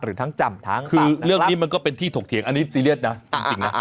หรือทั้งจำทั้งคือเรื่องนี้มันก็เป็นที่ถกเถียงอันนี้ซีเรียสนะจริงนะ